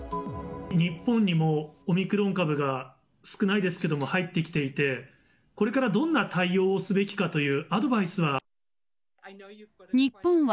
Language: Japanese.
日本にもオミクロン株が少ないですけども入ってきていて、これからどんな対応をすべきかというアドバイスは。